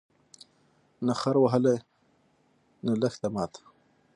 نه خر وهلی، نه لښته ماته